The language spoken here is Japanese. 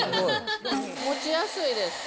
持ちやすいですか？